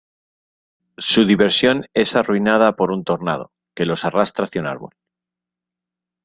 Su diversión es arruinada por un tornado, que los arrastra hacia un árbol.